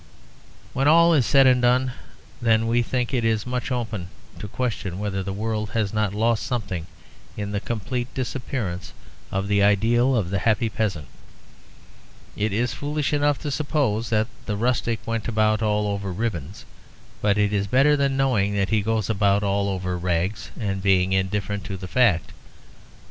When all is said and done, then, we think it much open to question whether the world has not lost something in the complete disappearance of the ideal of the happy peasant. It is foolish enough to suppose that the rustic went about all over ribbons, but it is better than knowing that he goes about all over rags and being indifferent to the fact.